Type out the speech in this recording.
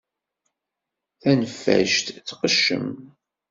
Taneffajt tqeccem.